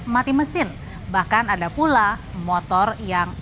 mati mesin bahkan ada pula motor yang